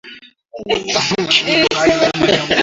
wa janisari kutoka kwa vijana wa Kikristo